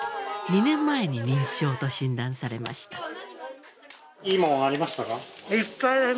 ２年前に認知症と診断されました。